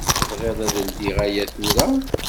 Tebɣiḍ ad ldiɣ aya tura?